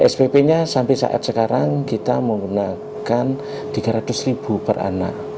spp nya sampai saat sekarang kita menggunakan rp tiga ratus ribu per anak